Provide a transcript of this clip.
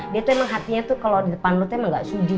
dia tuh emang hatinya tuh kalo di depan lu tuh emang ga sudi